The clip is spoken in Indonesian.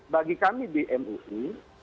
bagi kami di mui